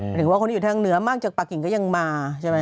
หรือว่าคนที่อยู่ทางเหนือมากจากปากหยิงก็ยังมา